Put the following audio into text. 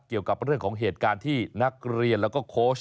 เกี่ยวกับเรื่องเหตุการณ์ที่นักเรียนและคอร์ช